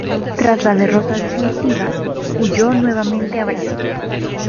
Tras la derrota definitiva, huyó nuevamente a Brasil.